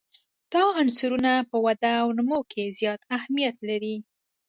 دا عنصرونه په وده او نمو کې زیات اهمیت لري.